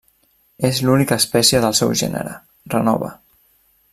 És l'única espècie del seu gènere, Renova.